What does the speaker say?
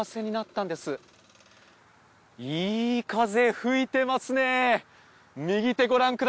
いい風吹いてますね。